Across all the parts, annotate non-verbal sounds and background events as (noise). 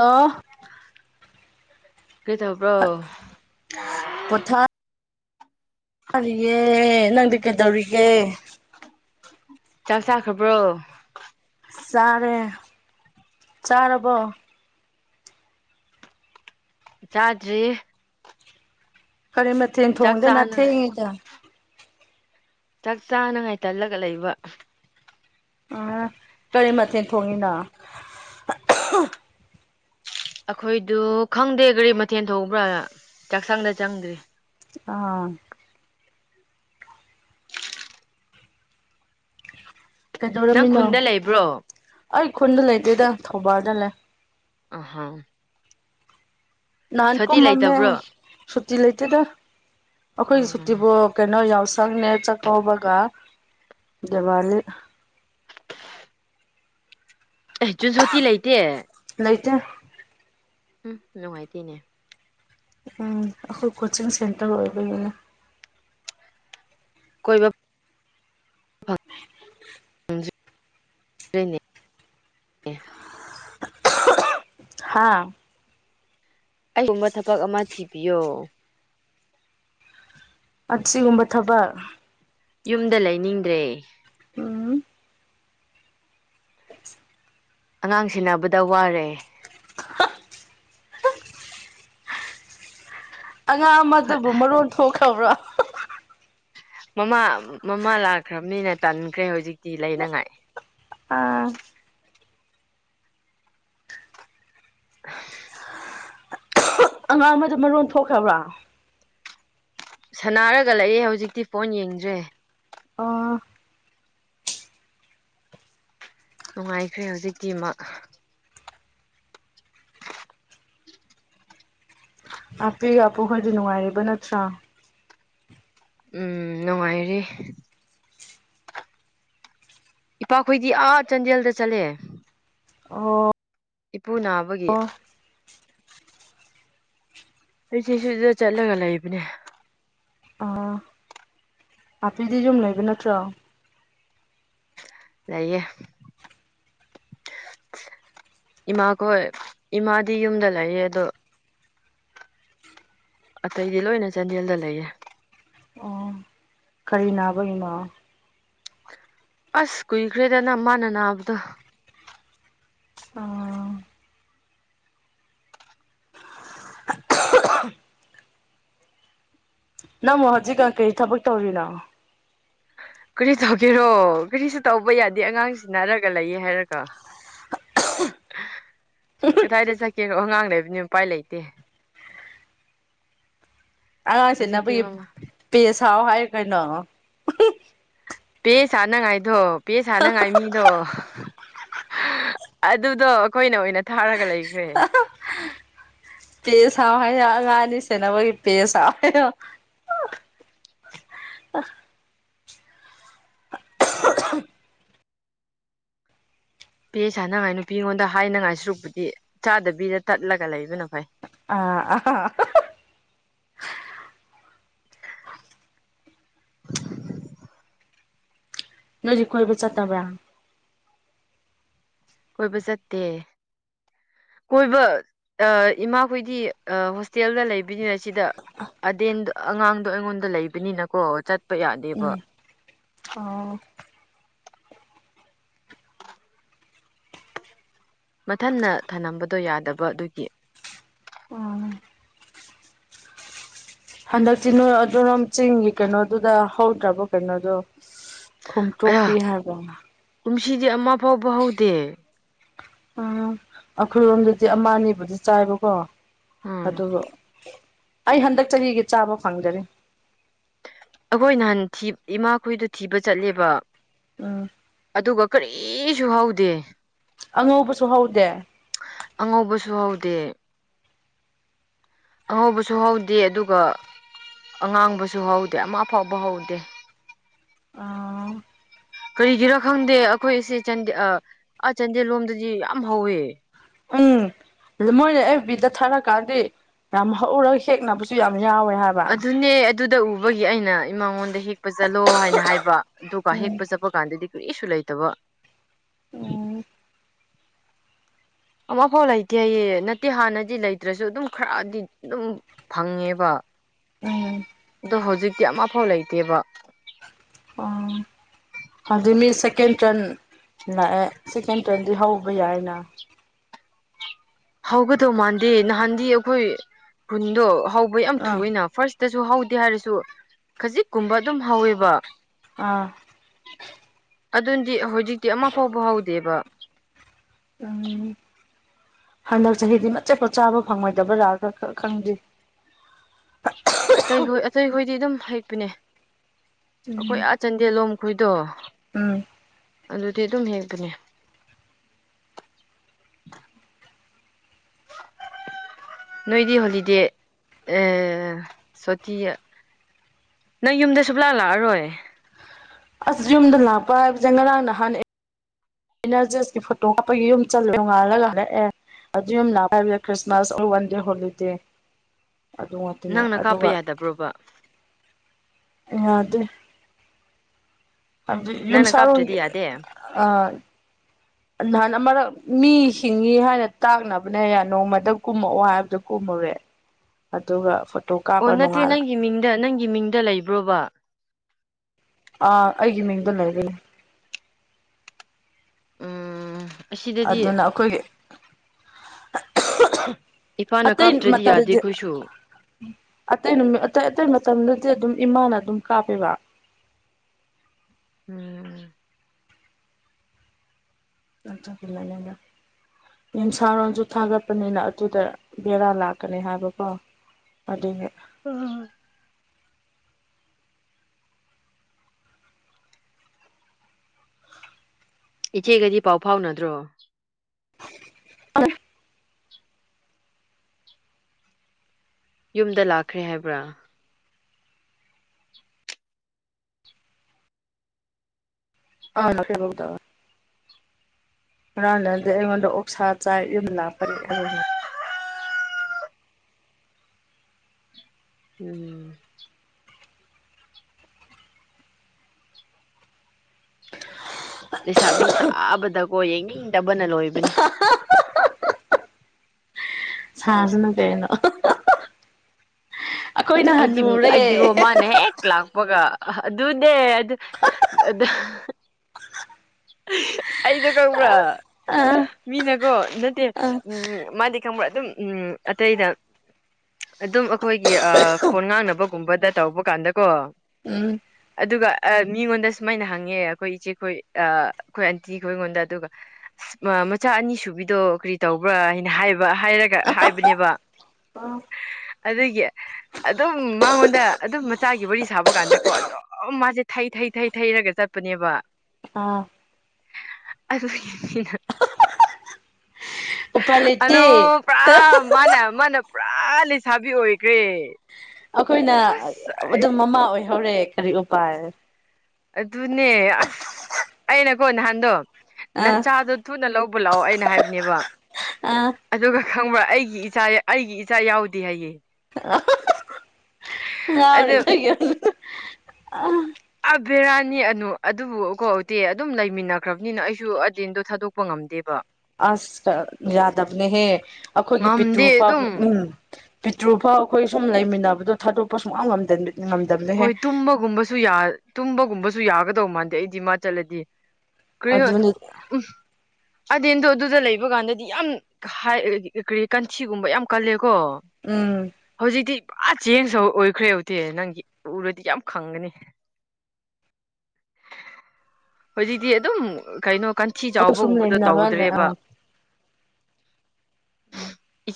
ꯑꯣ ꯀꯩꯇꯕ꯭ꯔꯣ ꯃꯥꯔꯤꯌꯦꯝꯅꯪꯗꯤ ꯀꯩꯗꯧꯔꯤꯒꯦ ꯆꯥꯛ ꯆꯥꯈ꯭ꯔꯕ꯭ꯔꯣ ꯆꯔꯦ ꯆꯔꯔꯕꯣ ꯆꯥꯗ꯭ꯔꯤ ꯀꯔꯤ ꯃꯊꯦꯜ ꯆꯥꯛ ꯊꯣꯡꯗꯦꯅꯅꯥ ꯆꯥꯅꯉꯥꯏ ꯊꯦꯡꯉꯤꯗ ꯆꯥꯛ ꯆꯥꯅꯉꯥꯏ ꯇꯜꯂꯒ ꯂꯩꯕ ꯑ ꯀꯔꯤ ꯃꯊꯦꯜ ꯊꯣꯡꯉꯤꯅ ꯑꯩꯈꯣꯏꯗꯨ ꯈꯪꯗꯦ ꯀꯒꯥꯔꯤ ꯃꯊꯦꯜ ꯊꯣꯛꯕ꯭ꯔꯥ ꯆꯥꯛꯁꯥꯡꯗ ꯆꯪꯗ꯭ꯔꯤ ꯑꯥ ꯅꯪ ꯀꯩꯗꯧꯔꯝꯃꯤꯅꯣ ꯈꯨꯟꯗ ꯂꯩꯕ꯭ꯔꯣ ꯑꯩ ꯈꯨꯟꯗ ꯂꯩꯇꯦꯗ ꯊꯧꯕꯗ ꯂꯩꯦ ꯑꯍꯥꯎ ꯅꯥꯟ ꯀꯨꯝꯃꯃꯦ ꯂꯩꯇꯕ꯭ꯔꯣ ꯁꯇꯤ ꯂꯩ ꯂꯩꯇꯦꯗ ꯑꯩꯈꯣꯏꯒꯤ ꯑꯥ ꯁꯨꯇꯤꯕꯨ ꯀꯩꯅꯣ ꯌꯥꯎ ꯁꯅꯦ ꯆ ꯀꯣ ꯒ ꯋꯥꯂꯤ ꯑꯦ ꯖꯨꯟꯁꯣꯇꯤ ꯂꯩꯇꯦ (inaudible) ꯎꯝ ꯅꯨꯡꯉꯥꯏꯇꯦꯅꯦ ꯎꯝ ꯑꯩꯈꯣꯏ ꯀꯣꯆꯤꯡ ꯁꯦꯟꯇꯔ ꯑꯣꯏꯕꯅꯤꯅ ꯀꯣꯏꯕ ꯅꯦ ꯍꯥꯥ ꯀꯔꯤꯒꯨꯝꯕ ꯊꯕꯛ ꯑꯃ ꯊꯤꯕꯤꯌꯣ ꯒꯨꯝꯕ ꯊꯕꯛ ꯌꯨꯝꯗ ꯂꯩꯅꯤꯡꯗ꯭ꯔꯦ ꯎꯝ ꯑꯉꯥꯡ ꯁꯤꯅꯕꯗ ꯋꯥꯔꯦ ꯑꯉꯥꯡ ꯍꯣꯏ ꯑꯃꯗꯨꯕꯨ ꯃꯔꯣꯟ ꯊꯣꯛꯈ꯭ꯔꯕ꯭ꯔꯣ ꯃꯃꯥ ꯃꯃꯥ ꯂꯥꯛꯈ꯭ꯔꯕꯅꯤꯅ ꯇꯟꯈ꯭ꯔꯦ ꯍꯧꯖꯤꯛꯇꯤ ꯂꯩꯅꯉꯥꯏ ꯑꯥ (unintelligible) ꯑꯉꯥꯡ ꯑꯃꯗꯣ ꯃꯔꯣꯟ ꯊꯣꯛꯈ꯭ꯔꯕ꯭ꯔꯥ ꯁꯅꯥꯔꯒ ꯂꯑꯦ ꯍꯧꯖꯤꯛꯇꯤ ꯐꯣꯟ ꯌꯦꯡꯗ꯭ꯔꯦ ꯑꯣ ꯅꯨꯡꯉꯥꯏꯈ꯭ꯔꯦ ꯍꯧꯖꯤꯛꯇꯀꯤꯃꯛ ꯎꯝ ꯑꯄꯤ ꯑꯄꯨ ꯈꯔꯗꯤ ꯅꯨꯡꯉꯥꯏꯔꯤꯕ ꯅꯠꯇ꯭ꯔꯥ ꯎꯝ ꯅꯨꯡꯉꯥꯏꯔꯤ ꯏꯄꯥꯈꯣꯏꯗꯤ ꯑꯥ ꯆꯥꯟꯗꯦꯜꯗ ꯆꯠꯂꯦ ꯑꯣ ꯄꯨꯨ ꯅꯥꯕꯒꯤ ꯑꯩ ꯁꯤ ꯁꯗ ꯆꯠꯂꯒ ꯂꯩꯕꯅꯦ ꯑꯄꯤꯗꯤꯖꯝ ꯂꯩꯕ ꯅꯠꯇ꯭ꯔ ꯂꯩꯏꯌꯦ ꯏꯃꯥꯈꯣꯏ ꯏꯃꯥꯗꯤ ꯌꯨꯝꯗ ꯂꯩꯌꯦ ꯑꯗꯣ ꯑꯇꯩꯗꯤ ꯂꯣꯏꯅ ꯆꯥꯟꯗꯦꯜꯗ ꯂꯩꯌꯦ ꯑꯣ ꯀꯔꯤ ꯅꯥꯕꯒꯤꯃ ꯑꯁ ꯀꯨꯏꯈ꯭ꯔꯦꯗꯅ ꯃꯥꯅ ꯅꯥꯕꯗꯣ ꯑꯥ (unintelligible) ꯅꯪꯃꯣ ꯍꯧꯖꯤꯛ ꯀꯩ ꯊꯕꯛ ꯇꯧꯔꯤꯅꯣ ꯀꯔꯤ ꯇꯧꯒꯦꯔꯣ ꯀꯔꯤꯁꯨ ꯇꯧꯕ ꯌꯥꯗꯦ ꯑꯉꯥꯡꯁꯤ ꯅꯔꯒ ꯂꯩꯌꯦ ꯍꯥꯏꯔꯒ (unintelligible) ꯀꯗꯥꯏꯗ ꯆꯠꯀꯦꯅꯣ ꯑꯉꯥꯡ ꯂꯩꯕꯅꯤ ꯎꯄꯥꯏ ꯂꯩꯇꯦ ꯑꯉꯥꯡꯁꯤ ꯍꯧꯖꯤꯛꯇꯤ ꯅꯕꯨꯒꯤ ꯃꯃꯥ ꯄꯦ ꯁꯥꯎ ꯍꯥꯏ ꯀꯩꯅꯣ ꯄꯦ ꯁꯥꯥꯟꯅꯉꯥꯏꯗꯣ ꯄꯦ ꯁꯥꯟꯅꯉꯥꯏ ꯃꯤꯗꯣ ꯑꯗꯨꯗꯣ ꯑꯩꯈꯣꯏꯅ ꯑꯣꯏꯅ ꯊꯥꯔꯒ ꯂꯩꯈ꯭ꯔꯦ ꯄꯦ ꯁꯥꯎ ꯍꯥꯏꯔ ꯑꯉꯥꯡ ꯑꯅꯤ ꯁꯦꯅꯕꯒꯤ ꯄꯦ ꯁꯥꯎ ꯍꯥꯏꯔ ꯑ (unintelligible) ꯄꯦ ꯆꯥꯅꯉꯥꯏ ꯅꯨꯄꯤ ꯑꯩꯉꯣꯟꯗ ꯍꯥꯏꯅꯉꯥꯏ ꯁꯨꯔꯨꯛꯄꯨꯗꯤ ꯆꯥꯗꯕꯤꯗ ꯇꯠꯂꯒ ꯂꯩꯕꯅ ꯐꯩ ꯑꯥ ꯑ ꯍꯧꯖꯤꯛ ꯀꯣꯏꯕꯨ ꯆꯠꯇꯕ꯭ꯔꯥ ꯀꯣꯏꯕ ꯆꯠꯇꯦ ꯀꯣꯏꯕ ꯏꯃꯥꯈꯣꯏꯗꯤ ꯍꯣꯁꯇꯦꯜꯗ ꯂꯩꯕꯅꯤꯅ ꯁꯤꯗ ꯑꯗꯦꯟꯗ ꯑꯉꯥꯡꯗꯣ ꯑꯩꯉꯣꯟꯗ ꯂꯩꯕꯅꯤꯅꯀꯣ ꯆ ꯌꯥꯗꯦꯕ ꯎꯝ ꯑꯣ ꯃꯊꯟꯟꯅ ꯊꯝꯂꯝꯝꯕꯗꯣ ꯌꯥꯗꯕ ꯑꯗꯨꯒꯤ ꯑꯣ ꯍꯟꯗꯛꯇꯤ ꯅꯣꯏ ꯑꯗꯨꯔꯣꯝ ꯆꯤꯡꯒꯤ ꯀꯩꯅꯣꯗꯨꯗ ꯍꯧꯗ꯭ꯔꯕꯣ ꯀꯩꯅꯣꯗꯣ ꯈꯨꯨꯝꯇꯣꯛ ꯑꯌꯥ ꯄꯕꯤꯍꯔꯕꯉ ꯀꯨꯝꯁꯤꯗꯤ ꯑꯃ ꯐꯥꯎꯕ ꯍꯧꯗꯦ ꯑꯥ ꯑꯈꯣꯏꯔꯣꯝꯗꯗꯤ ꯑꯃꯑꯅꯤꯕꯨꯗꯤ ꯆꯥꯏꯕꯀꯣ ꯎꯝ ꯑꯗꯨ ꯑꯩ ꯍꯟꯗꯛ ꯆꯍꯤꯒꯤ ꯆꯥꯕ ꯐꯪꯗꯔꯤ ꯑꯈꯣꯏ ꯅꯍꯥꯟ ꯊꯤ ꯏꯃꯥꯈꯣꯏꯗꯨ ꯊꯤꯕ ꯆꯠꯂꯦꯕ ꯎꯝ ꯑꯗꯨꯒ ꯀꯔꯤꯁꯨ ꯍꯧꯗꯦ ꯑꯉꯧꯕꯁꯨ ꯍꯧꯗꯦ ꯑꯉꯧꯕꯁꯨ ꯍꯧꯗꯦ ꯑꯉꯧꯕꯁꯨ ꯍꯧꯗꯦ ꯑꯗꯨꯒ ꯑꯉꯥꯡꯕꯁꯨ ꯍꯧꯗꯦ ꯑꯃ ꯐꯥꯎꯕ ꯍꯧꯗꯦ ꯑꯥ ꯀꯔꯤꯒꯤꯔ ꯈꯪꯗꯦ ꯑꯈꯣꯏꯁꯤ ꯆꯟꯗꯦ ꯑꯥ ꯑꯥ ꯆꯥꯟꯗꯦꯜ ꯂꯣꯝꯗꯗꯤ ꯌꯥꯝ ꯍꯧꯋꯦ ꯎꯝ ꯑꯗꯨ ꯃꯣꯏꯅ ꯑꯐꯕꯤꯗ ꯊꯥꯔꯛꯀꯥꯟꯗꯤ ꯌꯥꯝ ꯍꯧꯔꯒ ꯍꯦꯛꯅꯕꯁꯨ ꯌꯥꯝ ꯌꯥꯎꯋꯦ ꯍꯥꯏꯕ ꯑꯗꯨꯅꯦ ꯑꯗꯨꯗ ꯎꯕꯒꯤ ꯑꯩꯅ ꯏꯃꯉꯣꯟꯗ ꯍꯦꯛꯄ ꯆꯠꯂꯣ ꯍꯥꯏꯅ ꯍꯥꯏꯕ ꯑꯗꯨꯒ ꯎꯝ ꯍꯦꯛꯄ ꯆꯠꯄ ꯀꯥꯟꯗꯗꯤ ꯀꯔꯤꯁꯨ ꯂꯩꯇꯕ ꯎꯝ ꯑꯃꯐꯥꯎ ꯂꯩꯇꯦ ꯍꯥꯏꯌꯦ ꯅꯠꯇꯦ ꯍꯥꯟꯅꯗꯤ ꯂꯩꯇ꯭ꯔꯁꯨ ꯑꯗꯨꯝ ꯈꯔꯗꯤ ꯑꯗꯨꯝ ꯐꯪꯉꯦꯕ ꯎꯝ ꯗꯨ ꯍꯧꯖꯤꯛꯇꯤ ꯑꯃꯐꯥꯎ ꯂꯩꯇꯦꯕ ꯑꯥ ꯑꯗꯨꯃꯤ ꯁꯦꯀꯦꯟ ꯇꯔꯟ ꯂꯥꯛꯑꯦ ꯁꯦꯀꯦꯟ ꯇ꯭ꯔꯟꯗꯤ ꯍꯧꯕ ꯌꯥꯏꯅ ꯍꯧꯒꯗꯧ ꯃꯥꯟꯗꯦ ꯅꯍꯥꯟꯗꯤ ꯑꯩꯈꯣꯏ ꯈꯨꯟꯗꯣ ꯍꯧꯕ ꯌꯥꯝ ꯑꯥ ꯊꯨꯏꯌꯦꯅ ꯐꯥꯔꯁ ꯇꯁꯨ ꯍꯧꯗꯦ ꯍꯥꯏꯔꯁꯨ ꯈꯖꯤꯛꯀꯨꯝꯕ ꯑꯗꯨꯝ ꯍꯧꯋꯦꯕ ꯑꯥ ꯑꯗꯨꯟꯗꯤ ꯍꯧꯖꯤꯛꯇꯤ ꯑꯃ ꯐꯥꯎꯕ ꯍꯧꯗꯦꯕ ꯑꯝ ꯍꯟꯗꯛ ꯆꯍꯤꯗꯤ ꯃꯆꯦꯠꯄꯣ ꯆꯥꯕ ꯐꯪꯉꯣꯏꯗꯕꯔ ꯈ ꯈ ꯈꯪꯗ꯭ꯦ ꯑꯇꯩ ꯍꯣꯏ ꯑꯇꯩꯍꯣꯏꯗꯤ ꯑꯗꯨꯝ ꯍꯩꯄꯅꯦ ꯑꯈꯣꯏ ꯎꯝ ꯑꯥ ꯆꯥꯟꯗꯦꯜꯂꯣꯝ ꯈꯣꯏꯗꯣ ꯎꯝ ꯑꯗꯨꯗꯤ ꯑꯗꯨꯝ ꯍꯦꯛꯀꯅꯤ (inaudible) ꯅꯣꯏꯗꯤ ꯍꯣꯂꯤꯗꯦ ꯑ ꯁꯣꯇꯤ ꯅꯪ ꯌꯨꯝꯗ ꯁꯨꯞꯂꯥ ꯂꯥꯛꯑꯔꯣꯏ ꯑꯁ ꯌꯨꯝꯗ ꯂꯥꯛꯄ ꯍꯥꯏꯕꯖꯦ ꯉꯔꯥꯡ ꯅꯍꯥꯟ ꯑꯦ ꯑꯩꯅ ꯆꯔꯁꯀꯤ ꯐꯣꯇꯣ ꯀꯥꯞꯄꯒꯤ ꯌꯨꯝ ꯆꯜꯂ ꯅꯣꯡꯉꯥꯜꯂꯒ ꯍꯂꯛꯑꯦ ꯑꯗꯨꯌꯨꯝ ꯂꯥꯛꯄ ꯍꯥꯏꯕꯖꯦ ꯈ꯭ꯔꯤꯁꯃꯥꯁ ꯋꯥꯟꯗꯦ ꯍꯣꯂꯤꯗꯦ ꯑꯗꯨ ꯉꯥꯇꯅꯤ ꯅꯪꯅ ꯀꯥꯞꯄ ꯑꯗꯨꯒ ꯌꯥꯗꯕ꯭ꯔꯣꯕ ꯏꯉꯥꯗꯦ ꯍꯥꯏꯕꯗꯤ ꯅꯪꯅ ꯌꯨꯝꯁꯥꯔꯣꯟꯒꯤ ꯀꯥꯞꯇ꯭ꯔꯗꯤ ꯌꯥꯗꯦ ꯑꯣ ꯑ ꯅꯍꯥꯟ ꯑꯃꯔꯛ ꯃꯤ ꯍꯤꯡꯉꯤ ꯍꯥꯏꯅ ꯇꯥꯛꯅꯕꯅꯦ ꯌꯥ ꯅꯣꯡꯃꯗ ꯀꯨꯝꯃꯛꯑꯣ ꯍꯥꯏꯕꯗ ꯀꯨꯝꯃꯨꯔꯦ ꯑꯗꯨꯒ ꯐꯨꯠ ꯑꯣ ꯅꯠꯇꯦ ꯅꯪꯒꯤ ꯃꯤꯡꯗ ꯅꯪꯒꯤ ꯃꯤꯡꯗ ꯂꯩꯕ꯭ꯔꯣꯕ ꯑꯥ ꯑꯩꯒꯤ ꯃꯤꯡꯗ ꯂꯩꯕꯅꯤ ꯎꯝ ꯑꯁꯤꯗꯗꯤ ꯑꯗꯨꯅ ꯑꯈꯣꯏꯒꯤ ꯏꯄꯥꯅ ꯑꯇꯩ ꯀꯥꯞꯇ꯭ꯔꯗꯤ ꯌꯥꯗꯦ ꯃꯇꯝꯗꯤ ꯑꯩꯈꯣꯏꯁꯨ ꯑꯇꯩ ꯅꯨ ꯑꯇꯩ ꯑꯇꯩ ꯃꯇꯝꯗꯨꯗꯤ ꯑꯗꯨꯝ ꯏꯃꯥꯅ ꯑꯗꯨꯝ ꯀꯥꯞꯄꯦꯕ ꯎꯝ ꯃ ꯆ ꯄꯂ ꯂꯩꯗ (inaudible) ꯌꯨꯝꯁꯥꯔꯣꯟꯁꯨ ꯊꯥꯒꯠꯄꯅꯤꯅ ꯑꯗꯨꯗ ꯕꯦꯔꯥ ꯂꯥꯛꯀꯅꯤ ꯍꯥꯏꯕꯀꯣ ꯑꯗꯨꯅꯤ ꯎꯝ ꯏꯆꯦꯒꯗꯤ ꯄꯥꯎ ꯐꯥꯎꯅꯗ꯭ꯔꯣ ꯑ ꯌꯨꯝꯗ ꯂꯥꯛꯈ꯭ꯔꯦ ꯍꯥꯏꯕ꯭ꯔꯥ ꯑ ꯂ ꯍꯗꯕ ꯍꯥꯟꯅꯗꯤ ꯑꯩꯉꯣꯟꯗ ꯑꯣꯛꯁꯥ ꯆꯥꯏ ꯌꯨꯝ ꯂꯥꯞꯄꯅꯤ ꯑꯗꯨꯅ ꯎꯝ ꯂꯩꯁꯥꯕꯤ ꯁꯥꯕꯗꯀꯣ ꯌꯦꯡꯅꯤꯡꯗꯕꯅ ꯂꯣꯏꯕꯅꯦ ꯁꯥꯖꯅ ꯀꯅꯣ ꯑꯩꯗꯤ ꯑꯩꯗꯤꯒꯣ ꯃꯥꯅ ꯍꯦꯛ ꯂꯥꯛꯄꯒ ꯑꯗꯨꯅꯦ ꯑꯗꯨ ꯑꯗ ꯑꯩꯗꯣ ꯀꯕ꯭ꯔꯥ ꯑꯥ ꯃꯤꯅꯀꯣ ꯅꯠꯇꯦ ꯎꯝ ꯃꯥꯗꯤ ꯈꯪꯕ꯭ꯔ ꯑꯗꯨꯝ ꯎꯝ ꯑꯇꯩꯗ ꯑꯗꯨꯝ ꯑꯩꯈꯣꯏꯒꯤ ꯐꯣꯟ ꯉꯥꯡꯅꯕꯒꯨꯝꯕꯗ ꯇꯧꯕ ꯀꯥꯟꯗꯀꯣ ꯎꯝ ꯑꯗꯨꯒ ꯃꯤꯉꯣꯟꯗ ꯁꯨꯃꯥꯏꯅ ꯍꯪꯉꯦ ꯑꯩꯈꯣꯏ ꯏꯆꯦꯈꯣꯏ ꯑꯩꯈꯣꯏ ꯑꯟꯇꯤ ꯑꯩ ꯑꯩꯉꯣꯟꯗ ꯑꯗꯨꯒ ꯑ ꯃꯆꯥ ꯑꯅꯤ ꯁꯨꯕꯤꯗꯣ ꯀꯔꯤ ꯇꯧꯕ꯭ꯔꯥ ꯍꯥꯏꯅ ꯍꯥꯏꯕ ꯍꯥꯏꯔꯒ ꯍꯥꯏꯕꯅꯦꯕ ꯑꯗꯨꯒꯤ ꯑꯗꯨꯝ ꯃꯉꯣꯟꯗ ꯑꯗꯨꯝ ꯃꯆꯥꯒꯤ ꯋꯥꯔꯤ ꯁꯥꯕ ꯀꯥꯟꯗꯀꯣ ꯑꯗꯣ ꯑꯣ ꯃꯥꯁꯦ ꯊꯩ ꯊꯩ ꯊꯩ ꯊꯩꯔꯒ ꯆꯠꯄꯅꯦꯕ ꯑꯥ ꯑꯗꯨ ꯌꯦꯅ ꯎꯄꯥꯏ ꯑꯅꯣ ꯂꯩꯇꯦ ꯄꯨꯔꯥ ꯃꯥꯅ ꯃꯥꯅ ꯄꯨꯔꯥ ꯂꯩꯁꯥꯕꯤ ꯑꯣꯏꯈ꯭ꯔꯦ ꯑꯩꯈꯣꯏꯅ ꯑꯁ ꯑꯗꯨꯝ ꯑꯩ ꯃꯃꯥ ꯑꯣꯏꯍꯧꯔꯦ ꯀꯔꯤ ꯎꯄꯥꯏ ꯑꯗꯨꯅꯦ ꯑꯁ ꯑꯩꯅꯀꯣ ꯅꯍꯥꯟꯗꯣ ꯑꯥ ꯅꯆꯥꯗꯣ ꯊꯨꯅ ꯂꯧꯕ ꯂꯥꯛꯑꯣ ꯑꯩꯅ ꯍꯥꯏꯕꯅꯦꯕ ꯑꯥ ꯑꯗꯨꯒ ꯈꯪꯕ꯭ꯔꯥ ꯑꯩꯒꯤ ꯏꯆꯥ ꯑꯩꯒꯤ ꯏꯆꯥ ꯌꯥꯎꯗꯦ ꯍꯥꯏꯌꯦꯦ ꯑꯗ ꯅꯤ ꯑ ꯕꯤꯔꯥꯅꯤ ꯑꯅꯨ ꯑꯗꯨꯕꯨ ꯀꯣ ꯎꯇꯤ ꯑꯗꯨꯝ ꯂꯩꯃꯤꯟꯅꯈ꯭ꯔꯕꯅꯤꯅ ꯑꯩꯁꯨ ꯑꯇꯦꯟꯗꯣ ꯊꯥꯗꯣꯛꯄ ꯉꯝꯗꯦꯕ ꯑꯁ ꯌꯥꯗꯕꯅꯦꯍꯦ ꯑꯩꯈꯣꯏꯒꯤ ꯄꯤꯇꯨ ꯉꯝꯗꯦ ꯑꯗꯨꯝ ꯎꯝ ꯄꯤꯇ꯭ꯔꯨꯐꯥꯎ ꯑꯩꯈꯣꯏ ꯁꯨꯝ ꯂꯩꯃꯤꯟꯅꯕꯗꯣ ꯊꯥꯗꯣꯛꯄ ꯁꯨꯡ ꯑ ꯉꯝꯗꯟꯕꯤ ꯍꯣꯏ ꯇꯨꯝꯕꯒꯨꯝꯕꯁꯨ ꯌꯥ ꯇꯨꯝꯕꯒꯨꯝꯕꯁꯨ ꯌꯥꯒꯗꯧ ꯃꯥꯟꯗꯦ ꯑꯩꯗꯤ ꯃꯥ ꯆꯠꯂꯗꯤ ꯀ ꯑꯗꯨꯅꯤ ꯎ ꯑꯗꯦꯟꯗꯣ ꯑꯗꯨꯗ ꯂꯩꯕ ꯀꯥꯟꯗꯗꯤ ꯌꯥꯝ ꯀꯔꯤ ꯀꯟꯊꯤꯒꯨꯝꯕ ꯌꯥꯝ ꯀꯜꯂꯦ ꯀꯣ ꯎꯝ ꯍꯧꯖꯤꯛꯇꯤ ꯄꯨꯔ ꯆꯦꯡꯁ ꯑꯣꯏꯈ꯭ꯔꯦ ꯍꯧꯛꯇꯦ ꯅꯪꯒꯤ ꯎꯔꯗꯤ ꯌꯥꯝ ꯈꯪꯒꯅꯤ ꯍꯧꯣꯏꯖꯤꯗꯤ ꯑꯗꯨ ꯑꯗꯨꯝ ꯀꯩꯅꯣ ꯀꯟꯊꯤ ꯑꯩꯈꯣꯏ ꯁꯨꯝ ꯆꯥꯎꯕꯒꯨꯝꯕꯗꯣ ꯂꯩꯃꯤꯟꯅꯕ ꯇꯧꯗ꯭ꯔꯦꯕ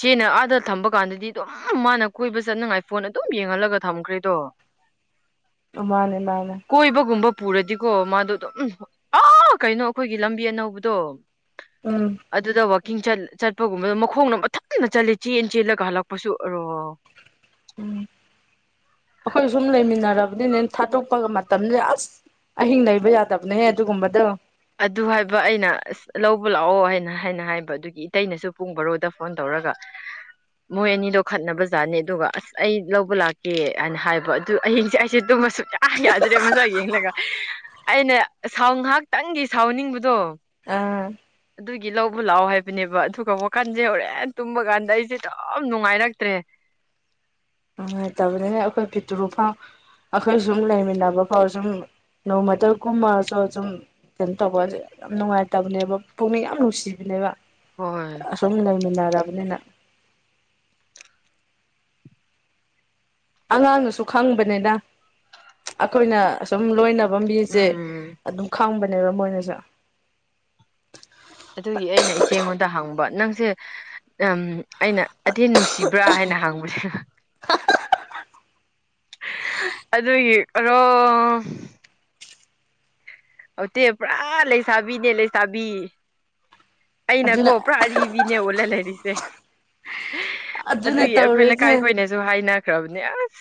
ꯆꯦꯅ ꯑꯥꯗ ꯊꯝꯕ ꯀꯥꯟꯗꯗꯤ ꯑꯗꯨꯝ ꯃꯥꯅ ꯀꯣꯏꯕ ꯆꯠꯅꯉꯥꯏ ꯐꯣꯟ ꯑꯗꯨꯝ ꯌꯦꯡꯍꯜꯂꯒ ꯊꯝꯈ꯭ꯔꯦꯗꯣ ꯃꯥꯅꯦ ꯃꯥꯅꯦ ꯀꯣꯏꯕꯒꯨꯝꯕ ꯄꯨꯔꯗꯤꯀꯣ ꯃꯥꯗꯣ ꯑꯗꯨꯝ ꯑꯥ ꯀꯩꯅꯣ ꯑꯩꯈꯣꯏꯒꯤ ꯂꯝꯕꯤ ꯑꯅꯧꯕꯗꯣ ꯎꯝ ꯑꯗꯨꯗ ꯡꯠ ꯆꯠꯄꯒꯨꯝꯕꯗ ꯃꯈꯣꯡꯅ ꯃꯊꯟꯅ ꯆꯠꯂꯦ ꯆꯦꯟ ꯆꯦꯜꯂꯒ ꯍꯜꯂꯛꯄꯁꯨ ꯑꯔꯣ ꯎꯝ ꯑꯩꯈꯣꯏ ꯁꯨꯝ ꯂꯩꯃꯤꯟꯅꯔꯕꯅꯤꯅꯦ ꯊꯥꯗꯣꯛꯄꯒ ꯃꯇꯝꯁꯦ ꯑꯁ ꯑꯍꯤꯡ ꯂꯩꯕ ꯌꯥꯗꯕꯅꯦꯍ ꯑꯗꯨꯒꯨꯝꯕꯗꯣ ꯑꯗꯨ ꯍꯥꯏꯕ ꯑꯩꯅ ꯑꯁ ꯂꯧꯕ ꯂꯥꯛꯑꯣ ꯍꯥꯏꯅ ꯍꯥꯏꯅ ꯍꯥꯏꯕ ꯑꯗꯨꯒꯤ ꯏꯇꯩꯩꯅꯁꯨ ꯄꯨꯡ ꯔꯣꯗ ꯐꯣꯟ ꯇꯧꯔꯛꯑꯣ ꯇꯔꯒ ꯃꯣꯏ ꯑꯅꯤꯗꯣ ꯈꯠꯅꯕ ꯖꯥꯠꯅꯤ ꯑꯗꯨꯒ ꯑꯁ ꯑꯩ ꯂꯧꯕ ꯂꯥꯛꯀꯦ ꯍꯥꯏꯅ ꯍꯥꯏꯕ ꯑꯗꯨ ꯑꯍꯤꯡꯁꯦ ꯑꯩꯁꯦ ꯀꯁꯨ ꯌꯥꯝ ꯌꯥꯗ꯭ꯔꯦ ꯃꯆꯥ ꯌꯦꯡꯂꯒ ꯑꯩꯅ ꯁꯥꯎ ꯉꯥꯏꯍꯥꯛꯇꯪꯒꯤ ꯁꯥꯎꯅꯤꯡꯕꯗꯣ ꯑꯥ ꯑꯗꯨꯒꯤ ꯂꯧꯕ ꯂꯥꯛꯑꯣ ꯍꯥꯏꯕꯅꯦꯕ ꯑꯗꯨꯒꯛ ꯋꯥꯈꯟꯁꯦ ꯍꯣꯔꯦꯟ ꯇꯨꯝꯕ ꯀꯥꯟꯗ ꯑꯩꯁꯦ ꯑꯗꯨ ꯅꯨꯡꯉꯥꯏꯔꯛꯇ꯭ꯔꯦ ꯑ ꯇꯥꯃ ꯑꯩꯈꯣꯏ ꯇꯔ ꯐꯥꯎ ꯑꯩꯈꯣꯏ ꯁꯨꯝ ꯂꯩꯃꯤꯟꯅꯕ ꯐꯥꯎ ꯁꯨꯝ ꯅꯣꯡꯃꯇꯜ ꯀꯨꯝꯃꯔꯁꯨ ꯑꯗꯨꯨꯝ ꯀꯩꯅꯣ ꯇꯧꯕꯁꯦ ꯌꯥꯝ ꯅꯨꯡꯉꯥꯏꯇꯕꯅꯦꯕ ꯄꯨꯛꯅꯤꯡ ꯌꯥꯝ ꯅꯨꯡꯁꯤꯕꯅꯦꯕ ꯍꯣꯏ ꯗꯕꯅꯤꯅ ꯑꯉꯥꯡꯅꯁꯨ ꯈꯪꯕꯅꯤꯅ ꯑꯩꯈꯣꯏꯅ ꯁꯁꯨꯝ ꯂꯣꯏ ꯝꯕꯤꯁꯦ ꯎꯝ ꯑꯗꯨꯝ ꯈꯪꯕꯅꯦꯕ ꯃꯣꯏꯅꯁꯨꯦ ꯇ ꯍꯥꯡꯕ ꯅꯪꯁꯦ ꯎꯝ ꯑꯩꯅ ꯑꯙꯦꯟ ꯅꯨꯡꯁꯤꯕ꯭ꯔꯥ ꯍꯥꯏꯅ ꯍꯥꯡꯕꯁꯦ ꯑꯗꯨꯒꯤ ꯀꯩꯅꯣ ꯑꯠꯇꯦ ꯄꯨꯔꯥ ꯂꯩꯁꯥꯕꯤꯅꯦ ꯂꯩꯁꯥꯕꯤ ꯑꯩꯅꯀꯣ ꯑꯗꯨꯅ ꯄꯨꯔꯥ ꯑꯔꯤꯕꯅꯦ ꯑꯣꯜꯂ ꯂꯩꯔꯤꯁꯦ ꯑꯗꯨꯅ ꯑꯗꯨꯒꯤ ꯑꯩꯈꯣꯏ ꯇꯧꯔꯦꯁꯦ ꯂꯩꯀꯥꯏꯈꯣꯏꯅꯁꯨ ꯍꯥꯏꯅ ꯔꯕꯤꯤꯟꯥꯁ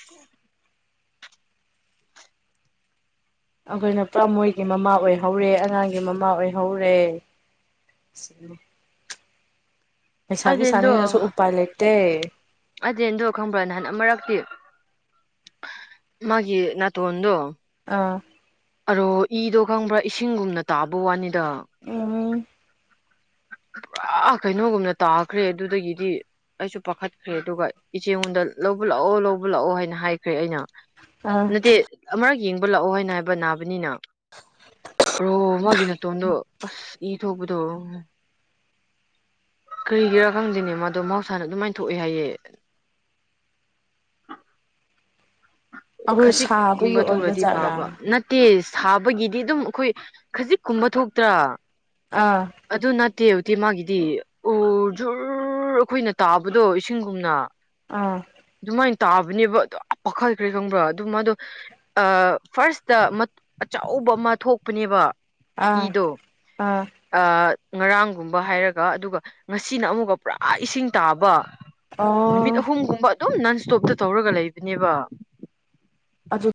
ꯑꯩꯈꯣꯏꯅꯄꯥ꯭ꯔ ꯃꯣꯏꯒꯤ ꯃꯃꯥ ꯑꯣꯏꯍꯧꯔꯦ ꯑꯉꯥꯡꯒꯤ ꯃꯃꯥ ꯑꯣꯏꯍꯧꯔꯦ ꯎ ꯄꯩꯁꯥꯕꯤ ꯁꯥꯥꯅꯤꯡꯅꯁꯨ ꯎꯄꯥꯏ ꯂꯩꯇꯦ ꯑꯗꯨꯗ ꯈꯪꯕ꯭ꯔꯣ ꯅꯍꯥꯟ ꯃꯔꯛꯇꯤ ꯃꯥꯒꯤ ꯅ ꯇꯧꯕꯗ ꯑꯥ ꯑꯣ ꯏꯗꯣ ꯈꯪꯕ꯭ꯔꯥ ꯏꯁꯤꯡꯒꯨꯝꯅ ꯇꯥꯕ ꯋꯥꯅꯤꯗ ꯎꯝ ꯄꯨꯔꯥ ꯀꯩꯅꯣꯒꯨꯝꯅ ꯇꯥꯈ꯭ꯔꯦ ꯑꯗꯨꯗꯒꯤꯗꯤ ꯑꯩꯁꯨ ꯄꯥꯈꯠꯈ꯭ꯔꯦ ꯑꯗꯨꯒ ꯏꯆꯦꯉꯣꯟꯗ ꯂꯧꯕꯠꯂꯥꯛꯑꯣ ꯂꯧꯕꯠꯂꯛꯑꯣ ꯍꯥꯏꯅ ꯍꯥꯏꯈ꯭ꯔꯦ ꯑꯩꯅ ꯑꯥ ꯅꯠꯇꯦ ꯑꯃꯔꯛ ꯌꯦꯡꯕ ꯂꯥꯛꯑꯣ ꯍꯥꯏꯅ ꯍꯥꯏꯕ ꯅꯥꯕꯅꯤꯅ ꯔꯣ ꯃꯥꯒꯤ ꯇꯣꯟꯝꯗꯣ ꯑꯁ ꯏ ꯊꯣꯛꯄꯗꯣ ꯀꯔꯤꯒꯤꯔꯥ ꯈꯪꯗꯦꯅꯦ ꯃꯥꯗꯣ ꯃꯍꯧꯁꯥꯅ ꯑꯗꯨꯃꯥꯏꯅ ꯊꯣꯛꯑꯦ ꯍꯥꯏꯌꯦꯦ (unintelligible) ꯑꯩꯈꯣꯏ ꯁꯥꯕꯒꯤ ꯈꯖꯤꯛꯀꯨꯝꯕ ꯑꯣꯏꯕ ꯊꯣꯛꯂꯗꯤ ꯖꯥꯠꯔꯥ ꯐꯕ ꯅꯠꯇꯦꯁ ꯁꯥꯕꯒꯤꯗꯤ ꯑꯗꯨꯝ ꯑꯩꯈꯣꯏ ꯈꯖꯤꯛ ꯀꯨꯝꯕ ꯊꯣꯛꯇ꯭ꯔꯥ ꯑꯥ ꯎꯠꯇꯦ ꯎꯇꯦ ꯃꯥꯒꯤꯗꯤ ꯑꯣ ꯖꯨꯔ ꯑꯩꯈꯣꯏꯅ ꯇꯥꯕꯗꯣ ꯏꯁꯤꯡꯒꯨꯝꯅ ꯑꯥ ꯑꯗꯨꯃꯥꯏꯅ ꯇꯥꯕꯅꯦꯕ ꯑꯗꯣ ꯋꯥꯈꯜꯈ꯭ꯔꯦ ꯈꯪꯕ꯭ꯔꯣ ꯑꯗꯨ ꯃꯥꯗꯣ ꯐꯥꯔꯁꯇ ꯑꯆꯧꯕ ꯑꯃ ꯊꯣꯛꯄꯅꯦꯕ ꯑꯥ ꯏꯗ ꯑꯥ ꯑ ꯉꯔꯥꯡꯒꯨꯝꯕ ꯍꯥꯏꯔꯒ ꯑꯗꯨꯒ ꯉꯁꯤꯅ ꯑꯃꯨꯛꯀ ꯄꯨꯔꯥ ꯏꯁꯤꯡ ꯇꯥꯕ ꯅꯨꯃꯤꯠ ꯑꯣ ꯑꯍꯨꯝꯒꯨꯝꯕ ꯑꯗꯨꯝ ꯅꯟ ꯏꯁꯇꯣꯞꯇ ꯇꯧꯔꯒ ꯂꯩꯕꯅꯦꯕ ꯑꯗꯨ